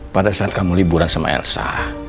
pada saat kamu liburan sama elsa